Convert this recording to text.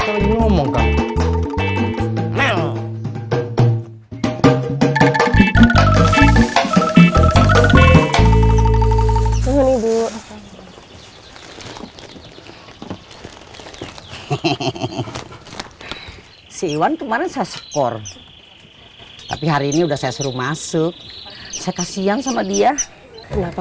hehehehe siwan kemarin saya skor tapi hari ini udah saya suruh masuk saya kasihan sama dia kenapa